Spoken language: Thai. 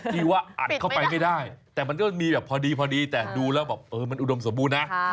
ที่ว่าอัดเข้าไปไม่ได้แต่มันก็มีแบบพอดีแต่ดูแล้วแบบเออมันอุดมสมบูรณ์นะ